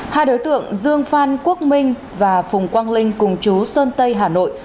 hai đối tượng dương phan quốc minh và phùng quang linh cùng chú sơn tây hà nội